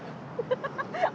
ハハハ！